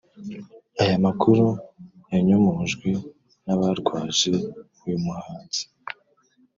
aya makuru yanyomojwe n'abarwaje uyu muhanzi